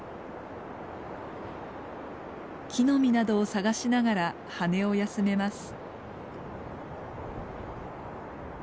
木の実などを探しながら羽を休めます。